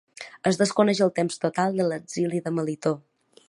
Es desconeix el temps total de l'exili de Melitó.